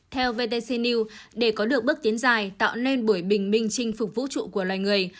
theo vtc news để có được bước tiến dài tạo nên buổi bình minh chinh phục vũ trụ của loài người